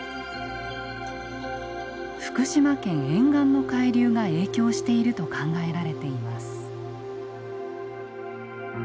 福島県沿岸の海流が影響していると考えられています。